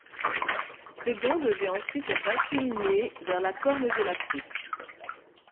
Ces dons devaient ensuite être acheminés vers la Corne de l'Afrique.